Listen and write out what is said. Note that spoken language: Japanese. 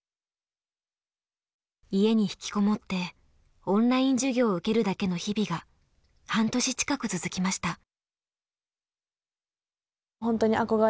家に引きこもってオンライン授業を受けるだけの日々が半年近く続きました。